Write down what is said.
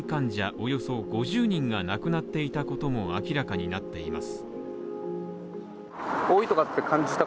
およそ５０人が亡くなっていたことも明らかになっています。